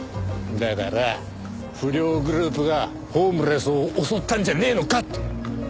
だから不良グループがホームレスを襲ったんじゃねえのかって！